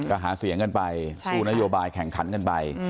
ก็หาเสียงกันไปสู้นโยบายแข่งขันกันไป